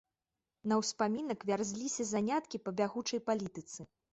На ўспамінак вярзліся заняткі па бягучай палітыцы.